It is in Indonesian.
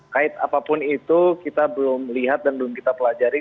kait apapun itu kita belum lihat dan belum kita pelajari